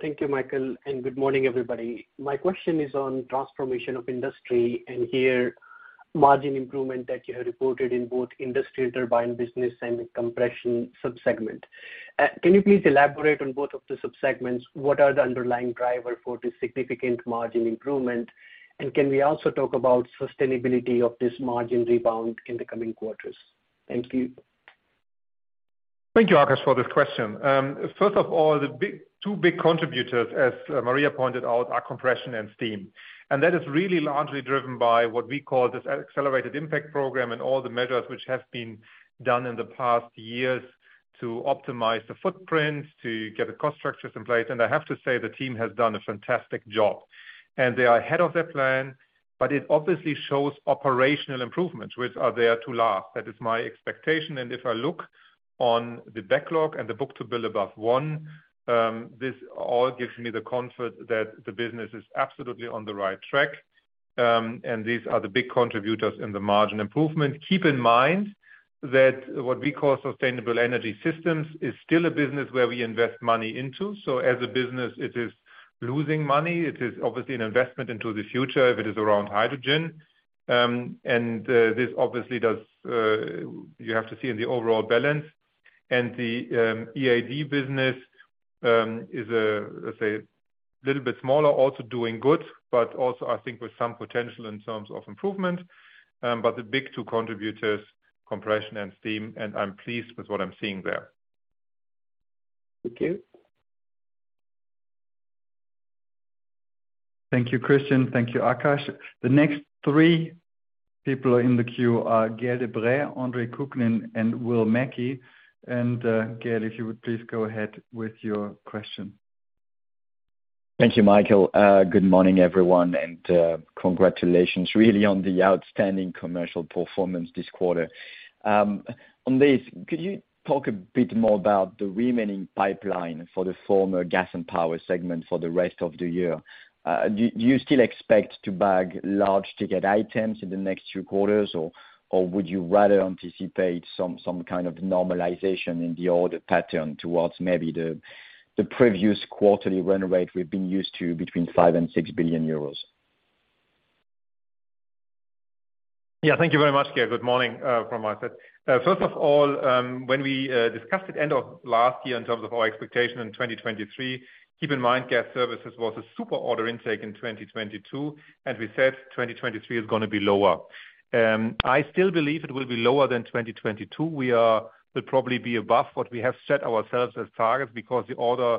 Thank you, Michael. Good morning, everybody. My question is on Transformation of Industry and here margin improvement that you have reported in both industry turbine business and compression sub-segment. Can you please elaborate on both of the sub-segments? What are the underlying driver for the significant margin improvement? Can we also talk about sustainability of this margin rebound in the coming quarters? Thank you. Thank you, Akash, for this question. First of all, the two big contributors, as Maria pointed out, are compression and steam. That is really largely driven by what we call this Accelerating Impact program and all the measures which have been done in the past years to optimize the footprint, to get the cost structures in place. I have to say the team has done a fantastic job. They are ahead of their plan, but it obviously shows operational improvements which are there to last. That is my expectation. If I look on the backlog and the book-to-bill above one, this all gives me the comfort that the business is absolutely on the right track. These are the big contributors in the margin improvement. Keep in mind that what we call sustainable energy systems is still a business where we invest money into. As a business, it is losing money. It is obviously an investment into the future if it is around hydrogen. This obviously does, you have to see in the overall balance. The EAD business is, let's say little bit smaller, also doing good, but also I think with some potential in terms of improvement. The big two contributors, compression and steam, and I'm pleased with what I'm seeing there. Thank you. Thank you, Christian. Thank you, Akash. The next three people in the queue are Gael de-Bray, Andre Kukhnin, and Will Mackie. Gael, if you would please go ahead with your question. Thank you, Michael. Good morning, everyone. Congratulations really on the outstanding commercial performance this quarter. On this, could you talk a bit more about the remaining pipeline for the former gas and power segment for the rest of the year? Do you still expect to bag large ticket items in the next few quarters, or would you rather anticipate some kind of normalization in the order pattern towards maybe the previous quarterly run rate we've been used to between 5 billion and 6 billion euros? Yeah. Thank you very much, Gael. Good morning from my side. First of all, when we discussed at end of last year in terms of our expectation in 2023, keep in mind, Gas Services was a super order intake in 2022, and we said 2023 is gonna be lower. I still believe it will be lower than 2022. We will probably be above what we have set ourselves as targets because the order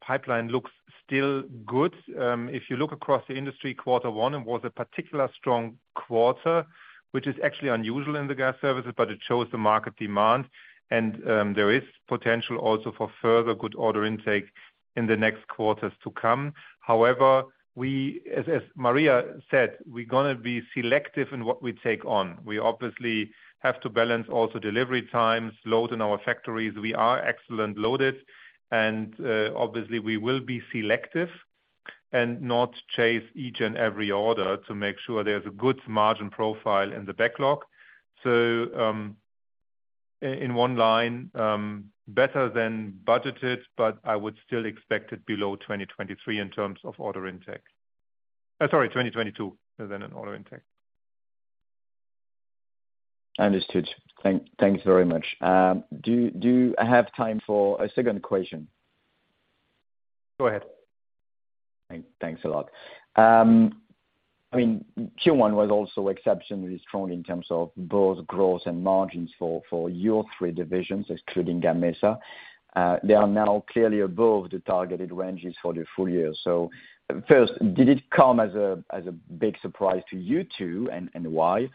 pipeline looks still good. If you look across the industry, quarter one was a particular strong quarter, which is actually unusual in the Gas Services, but it shows the market demand. There is potential also for further good order intake in the next quarters to come. However, we as Maria said, we're gonna be selective in what we take on. We obviously have to balance also delivery times, load in our factories. We are excellent loaded and, obviously we will be selective and not chase each and every order to make sure there's a good margin profile in the backlog. In one line, better than budgeted, but I would still expect it below 2023 in terms of order intake. Sorry, 2022 within an order intake. Understood. Thank you very much. Do I have time for a second question? Go ahead. Thanks a lot. I mean, Q1 was also exceptionally strong in terms of both growth and margins for your three divisions, excluding Gamesa. They are now clearly above the targeted ranges for the full year. First, did it come as a big surprise to you two, and why?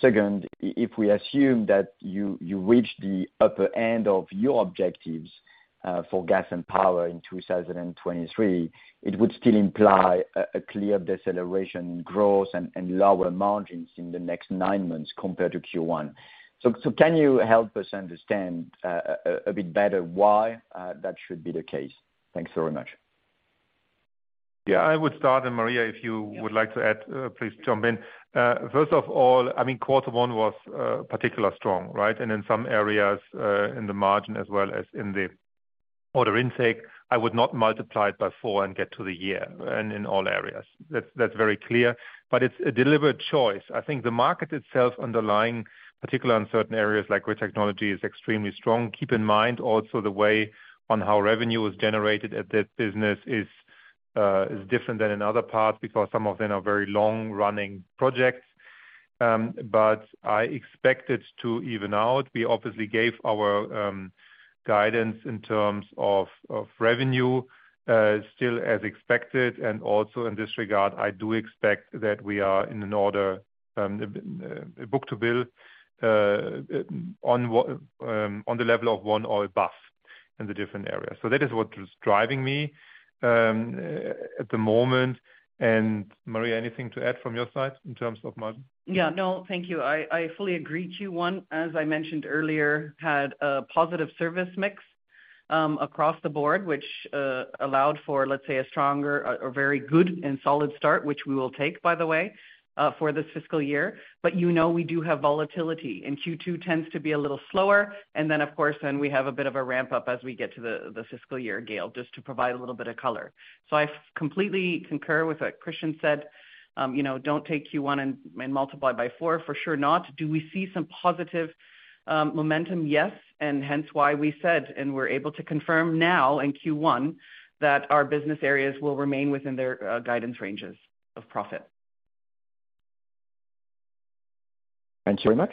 Second, if we assume that you reach the upper end of your objectives for gas and power in 2023, it would still imply a clear deceleration growth and lower margins in the next nine months compared to Q1. Can you help us understand a bit better why that should be the case? Thanks very much. I would start. Maria, if you would like to add, please jump in. First of all, I mean, quarter one was particular strong, right? In some areas, in the margin as well as in the order intake, I would not multiply it by four and get to the year and in all areas. That's very clear, but it's a deliberate choice. I think the market itself underlying, particularly in certain areas like with technology, is extremely strong. Keep in mind also the way on how revenue is generated at that business is different than in other parts because some of them are very long-running projects. I expect it to even out. We obviously gave our guidance in terms of revenue still as expected. Also in this regard, I do expect that we are in an order, a book-to-bill, on what, on the level of one or above in the different areas. That is what is driving me, at the moment. Maria, anything to add from your side in terms of margin? No, thank you. I fully agree. Q1, as I mentioned earlier, had a positive service mix across the board, which allowed for, let's say, a stronger or very good and solid start, which we will take, by the way, for this fiscal year. You know, we do have volatility, and Q2 tends to be a little slower. Of course, we have a bit of a ramp-up as we get to the fiscal year, Gael, just to provide a little bit of color. I completely concur with what Christian said. You know, don't take Q1 and multiply by four. For sure not. Do we see some positive momentum? Yes. Hence why we said and we're able to confirm now in Q1 that our Business Areas will remain within their guidance ranges of profit. Thanks very much.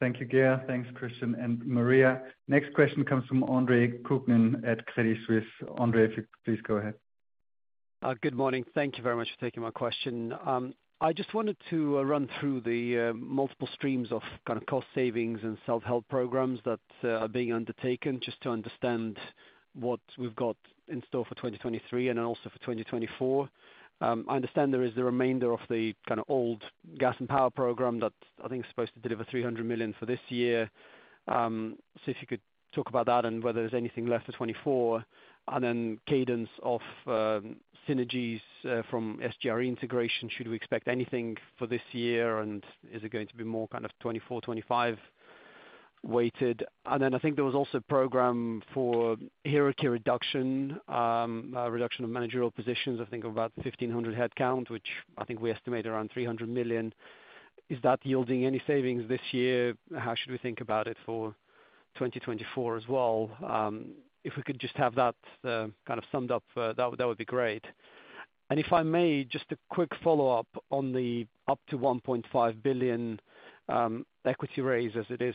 Thank you, Gael. Thanks, Christian and Maria. Next question comes from Andre Kukhnin at Credit Suisse. Andre, if you please go ahead. Good morning. Thank you very much for taking my question. I just wanted to run through the multiple streams of kind of cost savings and self-help programs that are being undertaken, just to understand what we've got in store for 2023 and also for 2024. I understand there is the remainder of the kind of old gas and power program that I think is supposed to deliver 300 million for this year. If you could talk about that and whether there's anything left for 2024. Cadence of synergies from SGRE integration, should we expect anything for this year, and is it going to be more kind of 2024, 2025 weighted? I think there was also a program for hierarchy reduction, a reduction of managerial positions, I think about 1,500 headcount, which I think we estimate around 300 million. Is that yielding any savings this year? How should we think about it for 2024 as well? If we could just have that, kind of summed up, that would be great. If I may, just a quick follow-up on the up to 1.5 billion equity raise as it is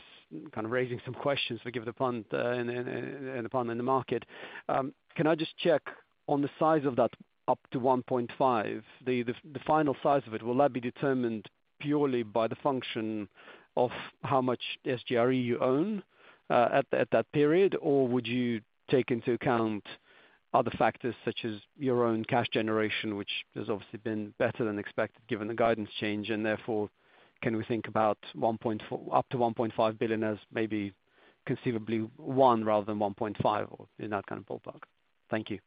kind of raising some questions for given the punt in the punt in the market. Can I just check on the size of that up to 1.5, the final size of it, will that be determined purely by the function of how much SGRE you own at that period? Or would you take into account other factors such as your own cash generation, which has obviously been better than expected given the guidance change, and therefore can we think about up to 1.5 billion as maybe conceivably one rather than 1.5 or in that kind of ballpark? Thank you.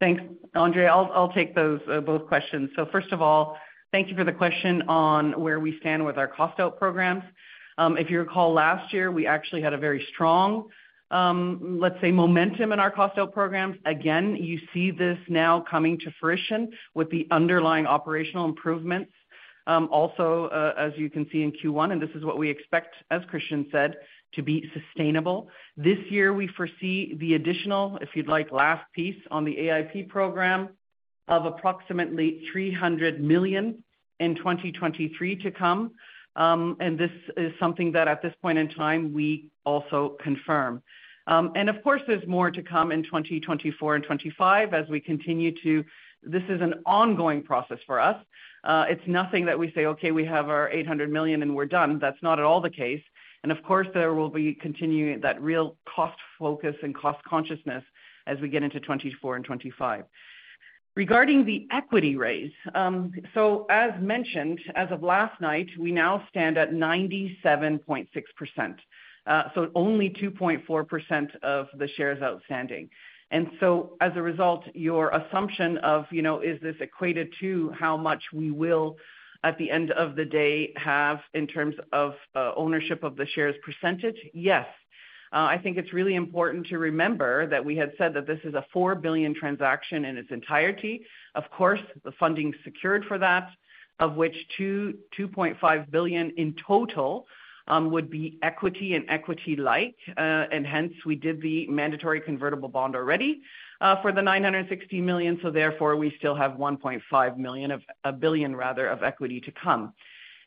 Thanks, Andre. I'll take those both questions. First of all, thank you for the question on where we stand with our cost out programs. If you recall, last year, we actually had a very strong, let's say, momentum in our cost out programs. Again, you see this now coming to fruition with the underlying operational improvements. Also, as you can see in Q1, and this is what we expect, as Christian said, to be sustainable. This year we foresee the additional, if you'd like, last piece on the AIP program of approximately 300 million in 2023 to come. This is something that at this point in time, we also confirm. Of course, there's more to come in 2024 and 2025 as we continue to. This is an ongoing process for us. It's nothing that we say, "Okay, we have our 800 million and we're done." That's not at all the case. Of course, there will be continuing that real cost focus and cost consciousness as we get into 2024 and 2025. Regarding the equity raise, as mentioned, as of last night, we now stand at 97.6%. Only 2.4% of the shares outstanding. As a result, your assumption of, you know, is this equated to how much we will at the end of the day, have in terms of ownership of the shares percentage? Yes. I think it's really important to remember that we had said that this is a 4 billion transaction in its entirety. Of course, the funding secured for that, of which 2.5 billion in total would be equity and equity-like. Hence we did the mandatory convertible bond already for the 960 million, so therefore we still have 1.5 billion of equity to come.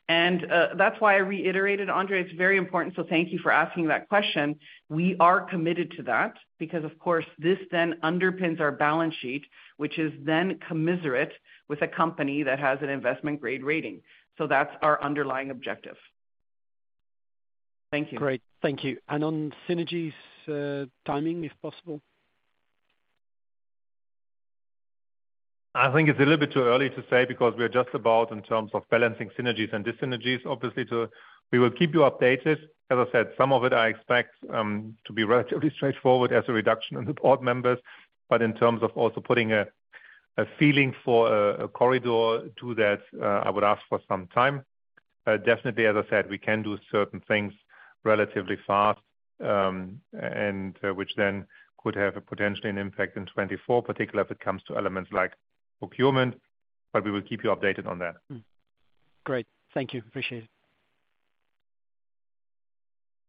That's why I reiterated, Andre, it's very important, so thank you for asking that question. We are committed to that because of course, this then underpins our balance sheet, which is then commensurate with a company that has an investment-grade rating. That's our underlying objective. Thank you. Great. Thank you. On synergies, timing, if possible? I think it's a little bit too early to say because we are just about in terms of balancing synergies and dis-synergies obviously. We will keep you updated. As I said, some of it I expect to be relatively straightforward as a reduction in the board members, in terms of also putting a feeling for a corridor to that, I would ask for some time. Definitely, as I said, we can do certain things relatively fast, and which then could have a potentially an impact in 2024, particularly if it comes to elements like procurement. We will keep you updated on that. Great. Thank you. Appreciate it.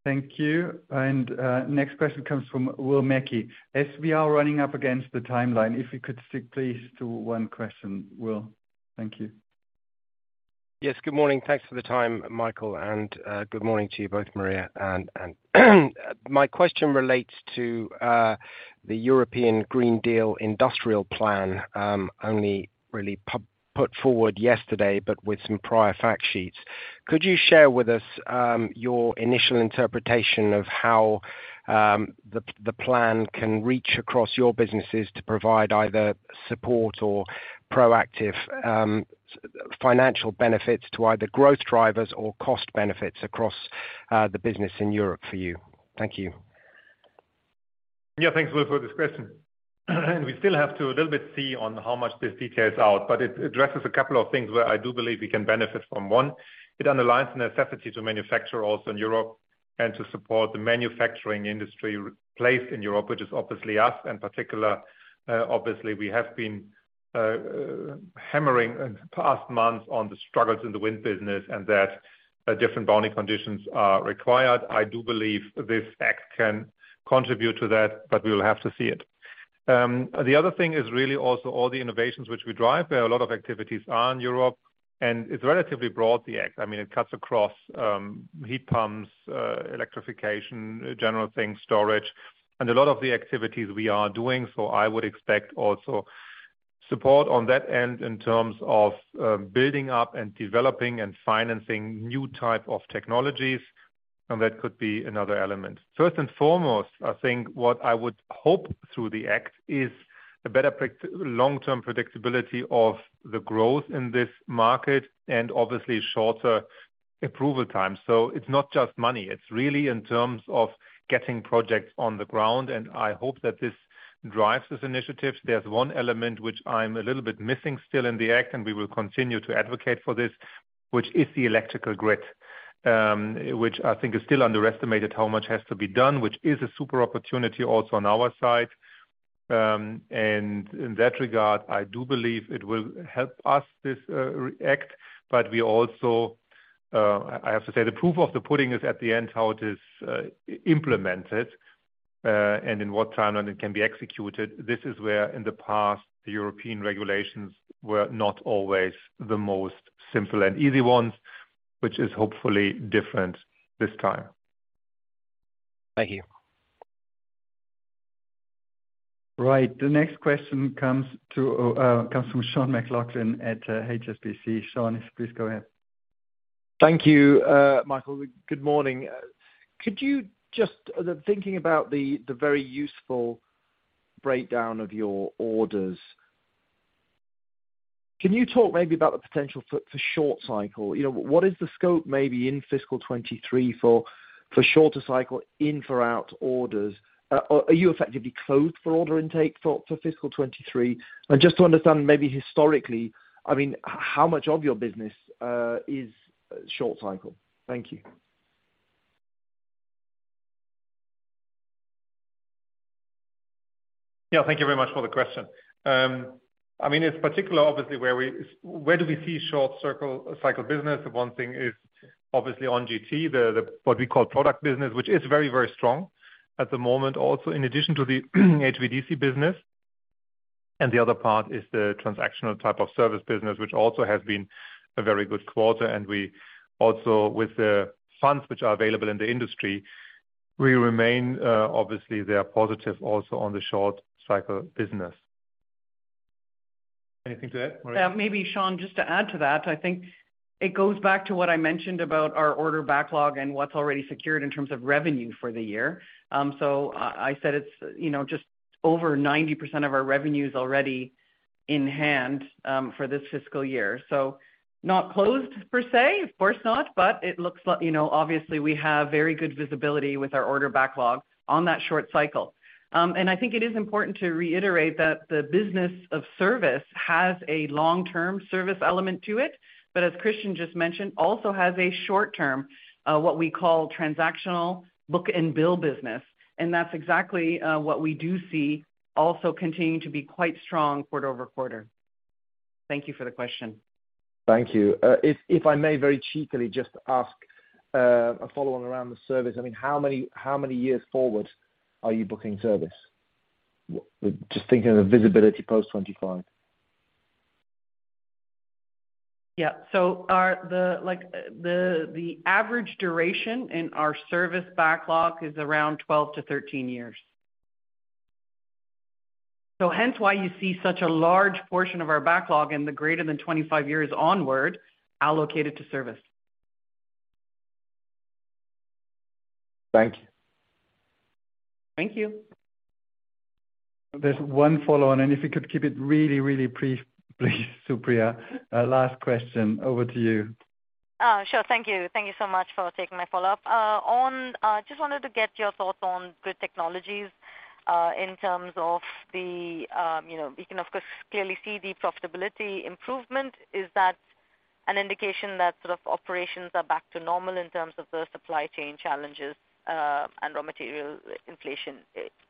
Thank you. Next question comes from Will Mackie. As we are running up against the timeline, if you could stick please to one question, Will. Thank you. Yes. Good morning. Thanks for the time, Michael, and good morning to you both Maria. My question relates to the European Green Deal Industrial Plan, only really put forward yesterday, but with some prior fact sheets. Could you share with us your initial interpretation of how the plan can reach across your businesses to provide either support or proactive financial benefits to either growth drivers or cost benefits across the business in Europe for you? Thank you. Yeah, thanks, Will, for this question. We still have to a little bit see on how much this details out. It addresses a couple of things where I do believe we can benefit from one. It underlines the necessity to manufacture also in Europe and to support the manufacturing industry placed in Europe, which is obviously us. In particular, obviously, we have been hammering in the past months on the struggles in the wind business and that different bonding conditions are required. I do believe this act can contribute to that. We will have to see it. The other thing is really also all the innovations which we drive. There are a lot of activities are in Europe. It's relatively broad, the act. I mean, it cuts across heat pumps, electrification, general things, storage, and a lot of the activities we are doing. I would expect also support on that end in terms of building up and developing and financing new type of technologies, and that could be another element. First and foremost, I think what I would hope through the act is a better long-term predictability of the growth in this market and obviously shorter approval time. It's not just money, it's really in terms of getting projects on the ground, and I hope that this drives these initiatives. There's one element which I'm a little bit missing still in the act, and we will continue to advocate for this, which is the electrical grid, which I think is still underestimated how much has to be done, which is a super opportunity also on our side. And in that regard, I do believe it will help us this act, but we also, I have to say the proof of the pudding is at the end, how it is implemented, and in what timeline it can be executed. This is where in the past, the European regulations were not always the most simple and easy ones, which is hopefully different this time. Thank you. Right. The next question comes from Sean McLoughlin at HSBC. Sean, please go ahead. Thank you, Michael. Good morning. Could you just, thinking about the very useful breakdown of your orders, can you talk maybe about the potential for short cycle? You know, what is the scope maybe in fiscal 2023 for shorter cycle in for out orders? Are you effectively closed for order intake for fiscal 2023? Just to understand maybe historically, I mean, how much of your business is short cycle? Thank you. Yeah, thank you very much for the question. I mean, it's particular obviously, where do we see short cycle business? One thing is obviously on GT, the what we call product business, which is very, very strong at the moment. In addition to the HVDC business, the other part is the transactional type of service business, which also has been a very good quarter. We also, with the funds which are available in the industry, we remain, obviously they are positive also on the short cycle business. Anything to that, Maria? Yeah. Maybe Sean, just to add to that, It goes back to what I mentioned about our order backlog and what's already secured in terms of revenue for the year. I said it's, you know, just over 90% of our revenue is already in hand for this fiscal year. Not closed per se, of course not. It looks like, you know, obviously we have very good visibility with our order backlog on that short cycle. I think it is important to reiterate that the business of service has a long-term service element to it. As Christian just mentioned, also has a short-term, what we call transactional book and bill business. That's exactly what we do see also continuing to be quite strong quarter-over-quarter. Thank you for the question. Thank you. If I may very cheaply just ask a follow on around the service. I mean, how many years forward are you booking service? We're just thinking of the visibility post 2025. Yeah. Our, like, the average duration in our service backlog is around 12-13 years. Hence why you see such a large portion of our backlog in the greater than 25 years onward allocated to service. Thank you. Thank you. There's one follow on, and if you could keep it really, really brief, please, Supriya. Last question. Over to you. Sure. Thank you. Thank you so much for taking my follow-up. I just wanted to get your thoughts on Grid Technologies, in terms of the, you know, we can of course clearly see the profitability improvement. Is that an indication that sort of operations are back to normal in terms of the supply chain challenges, and raw material inflation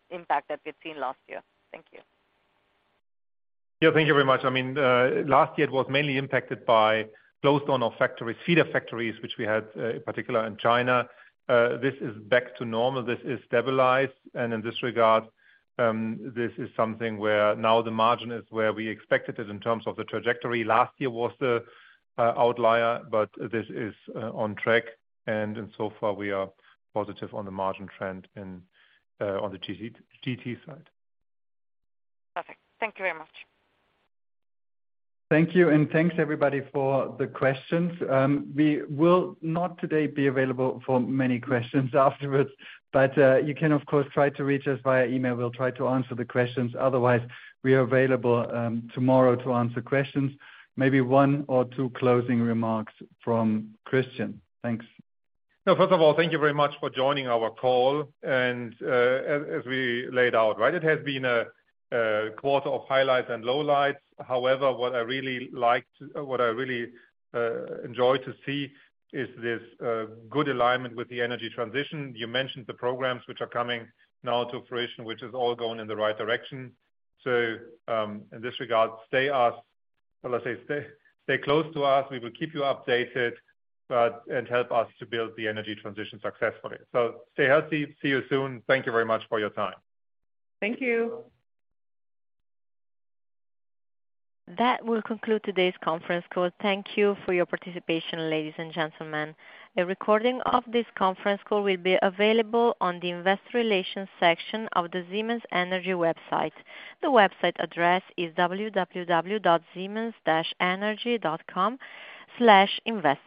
impact that we've seen last year? Thank you. Yeah, thank you very much. I mean, last year it was mainly impacted by closed down of factories, feeder factories, which we had in particular in China. This is back to normal. This is stabilized. In this regard, this is something where now the margin is where we expected it in terms of the trajectory. Last year was the outlier, but this is on track. So far we are positive on the margin trend and on the GT side. Perfect. Thank you very much. Thank you. Thanks everybody for the questions. We will not today be available for many questions afterwards, but you can of course try to reach us via email. We'll try to answer the questions. Otherwise, we are available tomorrow to answer questions. Maybe one or two closing remarks from Christian. Thanks. No. First of all, thank you very much for joining our call. As we laid out, right, it has been a quarter of highlights and lowlights. However, what I really enjoyed to see is this good alignment with the energy transition. You mentioned the programs which are coming now to fruition, which is all going in the right direction. In this regard, or let's say, stay close to us. We will keep you updated, and help us to build the energy transition successfully. Stay healthy. See you soon. Thank you very much for your time. Thank you. That will conclude today's conference call. Thank you for your participation, ladies and gentlemen. A recording of this conference call will be available on the investor relations section of the Siemens Energy website. The website address is www.siemens-energy.com/investor.